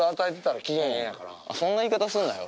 そんな言い方すんなよ。